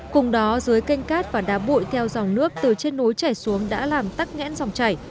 cùng đó dưới canh cát và đá bụi theo dòng nước từ trên núi chảy xuống đã làm tắc ngẽn dòng chảy